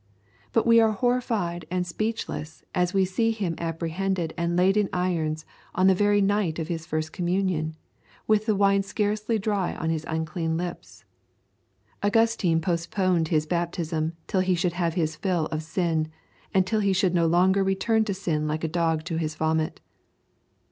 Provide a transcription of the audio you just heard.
But we are horrified and speechless as we see him apprehended and laid in irons on the very night of his first communion, and with the wine scarcely dry on his unclean lips. Augustine postponed his baptism till he should have his fill of sin, and till he should no longer return to sin like a dog to his vomit.